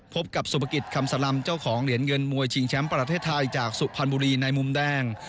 พบกับสุภกิจคำสลำเจ้าของเหรียญเงินมวยชิงแชมป์ประเทศไทยจากสุพรรณบุรีในมุมแดง